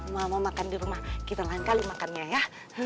mau makan di rumah kita lain kali makannya ya